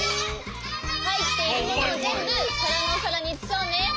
はいっているものをぜんぶからのおさらにうつそうね。